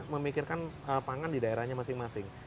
memikirkan pangan di daerahnya masing masing